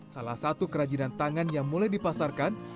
salah satu kerajinan tangan yang mulai dipasarkan